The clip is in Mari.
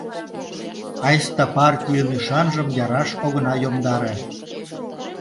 Айста партийын ӱшанжым яраш огына йомдаре...